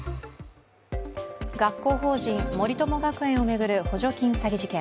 学校法人森友学園を巡る補助金詐欺事件。